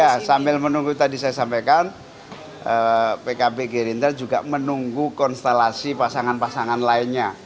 ya sambil menunggu tadi saya sampaikan pkb gerindra juga menunggu konstelasi pasangan pasangan lainnya